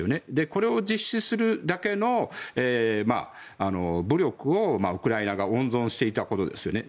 これを実施するだけの武力をウクライナ側が温存していたことですよね。